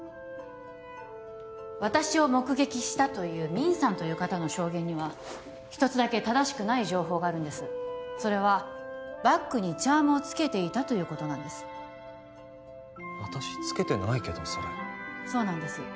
私を目撃したというミンさんという方の証言には一つだけ正しくない情報があるんですそれはバッグにチャームをつけていたということなんです私つけてないけどそれそうなんです